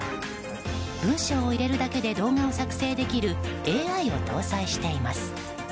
文章を入れるだけで動画を作成できるＡＩを搭載しています。